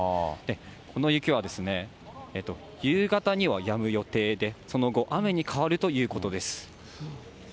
この雪は夕方にはやむ予定で、その後、雨に変わるということです。